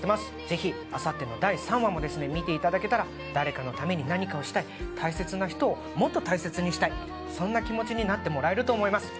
ぜひあさっての第３話も見ていただけたら誰かのために何かをしたい大切な人をもっと大切にしたいそんな気持ちになってもらえると思います